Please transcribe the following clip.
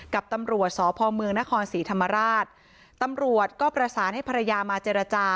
กับตำรวจสพเมืองนครศรีธรรมราชตำรวจก็ประสานให้ภรรยามาเจรจา